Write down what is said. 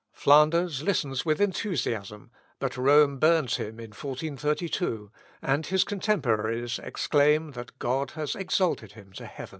" Flanders listens with enthusiasm, but Rome burns him in 1432, and his contemporaries exclaim that God has exalted him to heaven.